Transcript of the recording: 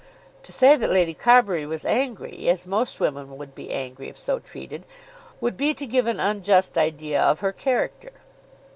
To say that Lady Carbury was angry, as most women would be angry if so treated, would be to give an unjust idea of her character.